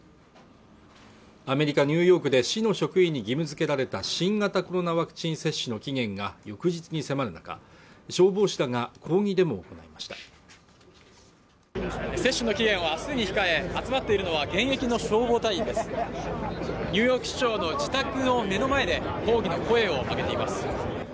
アメリカ・ニューヨークで市の職員に義務づけられた新型コロナワクチン接種の期限が翌日に迫る中消防士らが抗議デモを行いましたニューヨーク市長の自宅の目の前で大きな声を上げています